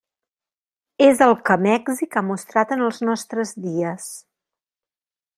És el que Mèxic ha mostrat en els nostres dies.